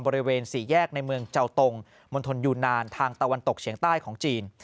บริเวณสี่แยกในเมืองเจ้าตรงมณฑลยูนานทางตะวันตกเฉียงใต้ของจีน